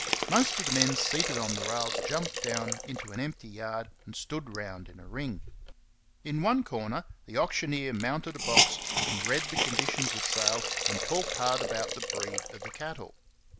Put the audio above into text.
Most of the men seated on the rails jumped down into an empty yard and stood round in a ring. In one corner the auctioneer mounted a box, and read the conditions of sale, and talked hard about the breed of the cattle.